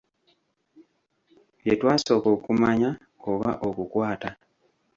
Bye twasooka okumanya oba okukwata.